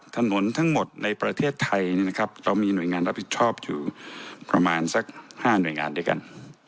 ถนนทั้งหมดในประเทศไทยเรามีหน่วยงานรับผิดชอบอยู่ประมาณสัก๕หน่วยงานด้วยกัน